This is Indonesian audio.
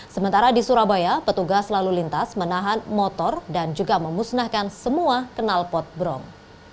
sementara di surabaya petugas lalu lintas menahan motor dan juga memusnahkan semua kenal pot brong